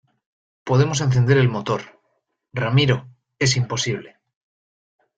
podemos encender el motor. ramiro, es imposible .